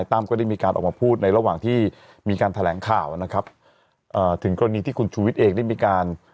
ออกมาพูดในระหว่างที่มีการแถลงข่าวนะครับถึงกรณีที่คุณชุวิตเอกได้มีการ